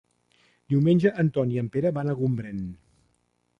Diumenge en Ton i en Pere van a Gombrèn.